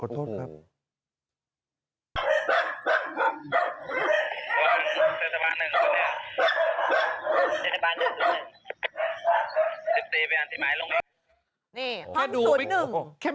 อย่าพูดไปก่อน